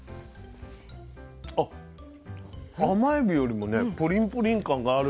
甘エビよりもねプリンプリン感がある。